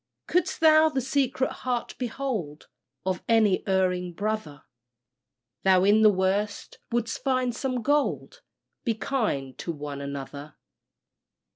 Couldst thou the secret heart behold Of any erring brother, Thou in the worst wouldst find some gold Be kind to one another.